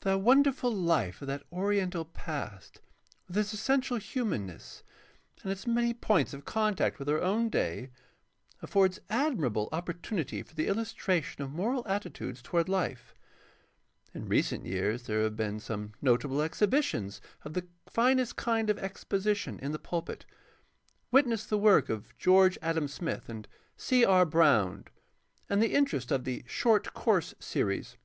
The wonderful life of that oriental past, with its essential hiunanness and its many points of contact with our own day, affords admirable opportunity for the illustration of moral attitudes toward Ufe. In recent years there have been some notable exhibitions of the finest kind of exposition in the pulpit. Witness the work of George Adam Smith and C. R. Brown and the interest of the "Short Course Series."